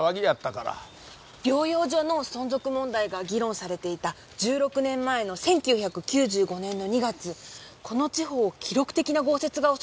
療養所の存続問題が議論されていた１６年前の１９９５年の２月この地方を記録的な豪雪が襲ったんですね。